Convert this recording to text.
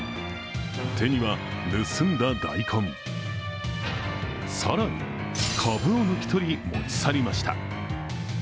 手には盗んだ大根、更に株を抜き取り持ち去りました。